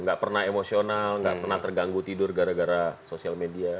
nggak pernah emosional nggak pernah terganggu tidur gara gara sosial media